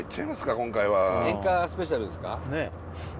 今回は演歌スペシャルですか